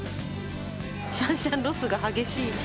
シャンシャンロスが激しい。